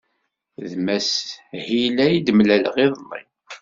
D Mass Hill ay d-mlaleɣ iḍelli.